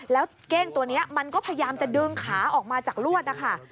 แล้วเก้งตัวนี้มันก็พยายามจะดึงขาออกมาจากลวดนะคะ